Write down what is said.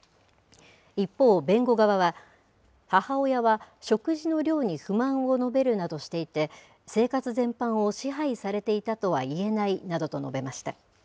一方、弁護側は、母親は食事の量に不満を述べるなどしていて、生活全般を支配されていたとはいえないなどと述べました。